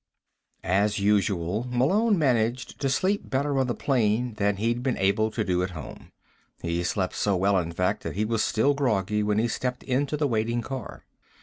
As usual, Malone managed to sleep better on the plane than he'd been able to do at home. He slept so well, in fact, that he was still groggy when he stepped into the waiting car.